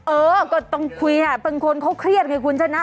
เออก็ต้องคุยอ่ะเป็นคนเขาเครียดไงคุณฉะนั้น